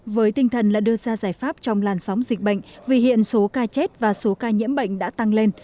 với tinh thần là đưa ra giải pháp trong làn sóng dịch bệnh vì hiện số ca chết và số ca nhiễm bệnh đã tăng lên